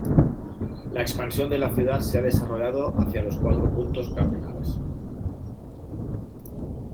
La expansión de la ciudad se ha desarrollado hacia los cuatro puntos cardinales.